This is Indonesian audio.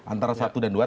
antara satu dan dua